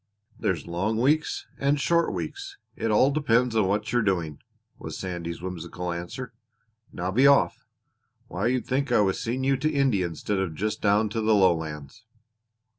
"There's long weeks and short weeks; it all depends on what you're doing," was Sandy's whimsical answer. "Now be off. Why, you'd think I was seeing you to India instead of just down to the lowlands!"